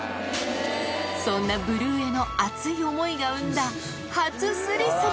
そんなブルーへの熱い思いが生んだ、初すりすり。